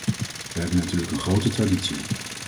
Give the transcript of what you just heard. Wij hebben natuurlijk een grote traditie.